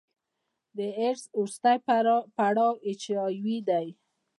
د ایډز وروستی پړاو د اچ آی وي دی.